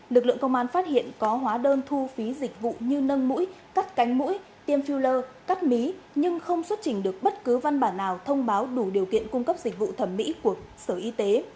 lực lượng công an phát hiện có hóa đơn thu phí dịch vụ như nâng mũi cắt cánh mũi tiêm filler cắt mí nhưng không xuất trình được bất cứ văn bản nào thông báo đủ điều kiện cung cấp dịch vụ thẩm mỹ của sở y tế